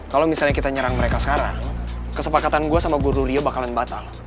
kalau misalnya kita nyerang mereka sekarang kesepakatan gue sama guru rio bakalan batal